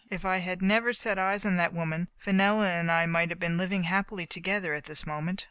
If I had never set eyes on that woman, Fenella and I might have been living happily together at this moment.